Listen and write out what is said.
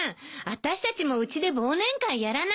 私たちもうちで忘年会やらない？